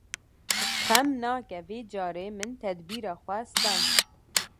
Xem nake vê carê min tedbîra xwe stend.